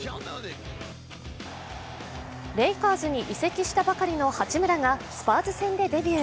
レイカーズに移籍したばかりの八村がスパーズ戦でデビュー。